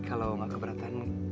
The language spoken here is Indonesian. kalau nggak keberatan